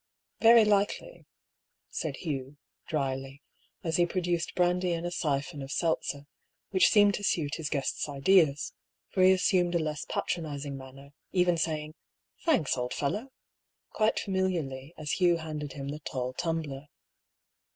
"Very likely," said Hugh, dryly, as he produced brandy and a siphon of seltzer, which seemed to suit his guest's ideas, for he assumed a less patronising manner, even saying, " Thanks, old fellow," quite familiarly as Hugh handed him the tall tumbler.